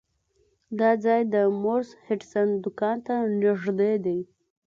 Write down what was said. دا ځای د مورس هډسن دکان ته نږدې دی.